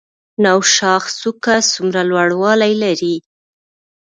نوشاخ څوکه څومره لوړوالی لري؟